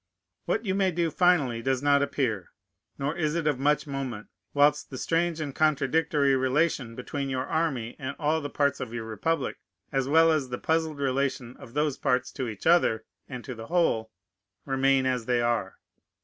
What you may do finally does not appear: nor is it of much moment, whilst the strange and contradictory relation between your army and all the parts of your republic, as well as the puzzled relation of those parts to each other and to the whole, remain as they are.